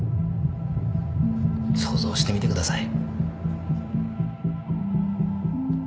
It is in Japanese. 想像してみてください。